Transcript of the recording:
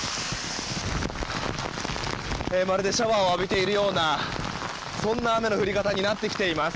まるでシャワーを浴びているようなそんな雨の降り方になってきています。